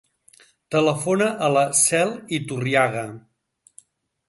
Telefona a la Cel Iturriaga.